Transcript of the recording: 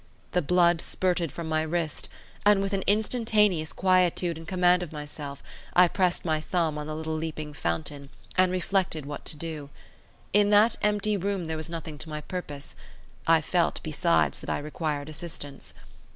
The blood spurted from my wrist; and with an instantaneous quietude and command of myself, I pressed my thumb on the little leaping fountain, and reflected what to do. In that empty room there was nothing to my purpose; I felt, besides, that I required assistance.